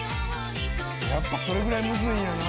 やっぱそれぐらいムズいんやな。